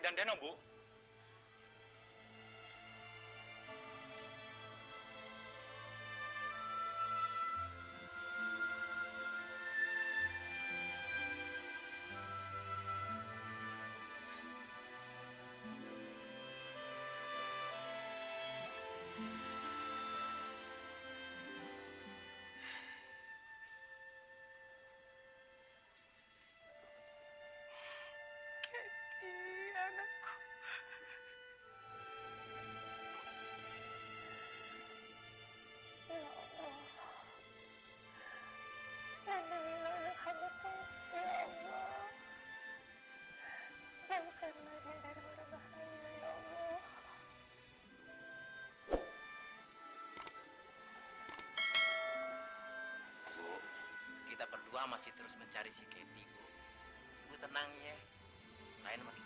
ketika kita berdua kita tidak bisa menemukan keti